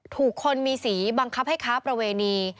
ถูกคนมีสีบังคับให้ค้าประเวณี